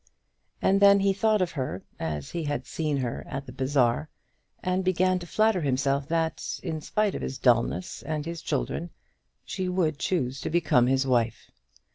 And then he thought of her as he had seen her at the bazaar, and began to flatter himself that, in spite of his dullness and his children, she would choose to become his wife.